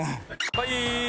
はい！